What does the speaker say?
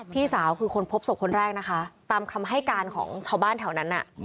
พี่สาวคือคนพบศพคนแรกนะคะตามคำให้การของชาวบ้านแถวนั้น